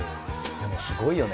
でもすごいよね